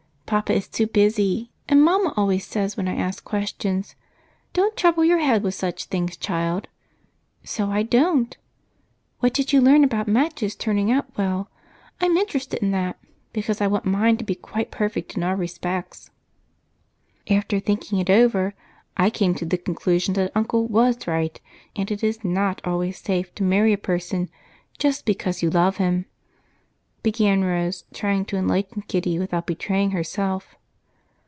Papa is too busy, and Mama always says when I ask question, 'Don't trouble your head with such things, child,' so I don't. What did you learn about matches turning out well? I'm interested in that, because I want mine to be quite perfect in all respects." "After thinking it over, I came to the conclusion that Uncle was right, and it is not always safe to marry a person just because you love him," began Rose, trying to enlighten Kitty without betraying herself.